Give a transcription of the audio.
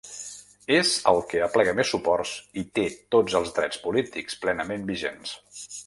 És el que aplega més suports i té tots els drets polítics plenament vigents.